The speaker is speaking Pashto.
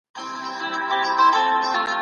که واټني تدریس دوام وکړي، تعلیم نه درېږي.